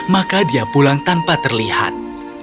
maka dia pulang tanpa terlihat